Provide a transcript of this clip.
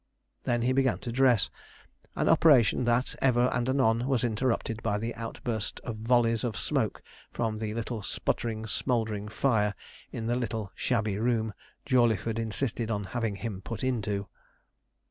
He then began to dress; an operation that, ever and anon was interrupted by the outburst of volleys of smoke from the little spluttering, smouldering fire in the little shabby room Jawleyford insisted on having him put into.